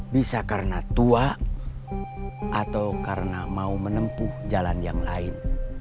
bisa karena tua atau karena mau menempuh jalan yang lain